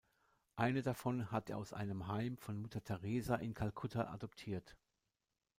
Eine davon hat er aus einem Heim von Mutter Teresa in Kalkutta adoptiert.